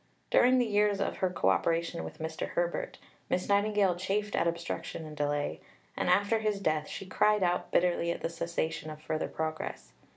During the years of her co operation with Mr. Herbert, Miss Nightingale chafed at obstruction and delay, and after his death she cried out bitterly at the cessation of further progress.